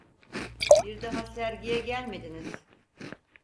Bir daha sergiye gelmediniz!